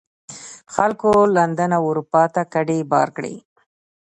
خلکو لندن او اروپا ته کډې بار کړې.